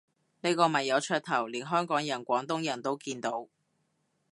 呢個咪有噱頭，連香港人廣東人都見到